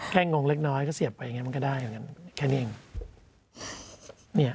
แก้งงเล็กน้อยก็เสียบไปอย่างงี้มันก็ได้แค่นี้เองเนี่ย